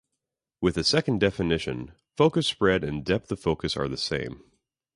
With the second definition, focus spread and depth of focus are the same.